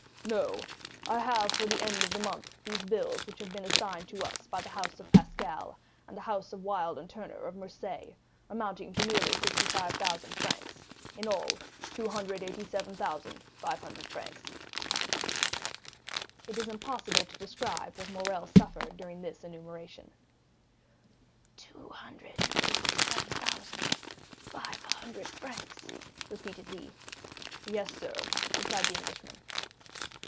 "No, I have for the end of the month these bills which have been assigned to us by the house of Pascal, and the house of Wild & Turner of Marseilles, amounting to nearly 55,000 francs; in all, 287,500 francs." It is impossible to describe what Morrel suffered during this enumeration. "Two hundred and eighty seven thousand five hundred francs," repeated he. "Yes, sir," replied the Englishman.